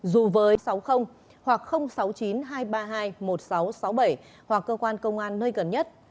dù với sáu mươi hoặc sáu mươi chín hai trăm ba mươi hai một nghìn sáu trăm sáu mươi bảy hoặc cơ quan công an nơi gần nhất